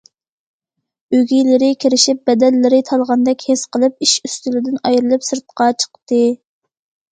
ئۈگىلىرى كىرىشىپ، بەدەنلىرى تالغاندەك ھېس قىلىپ ئىش ئۈستىلىدىن ئايرىلىپ سىرتقا چىقتى.